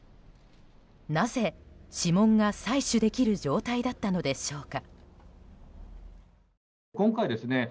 なぜ、指紋が採取できる状態だったのでしょうか。